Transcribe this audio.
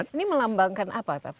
ini melambangkan apa